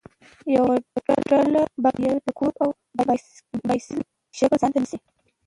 یوه ډله باکتریاوې د کوک او باسیل شکل ځانته نیسي.